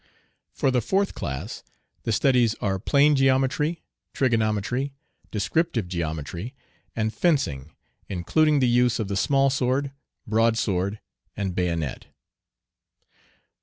For the fourth class the studies are plane geometry, trigonometry, descriptive geometry, and fencing, including the use of the small sword, broad sword, and bayonet.